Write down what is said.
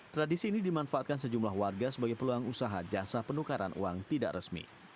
tradisi ini dimanfaatkan sejumlah warga sebagai peluang usaha jasa penukaran uang tidak resmi